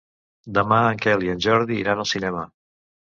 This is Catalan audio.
Demà en Quel i en Jordi iran al cinema.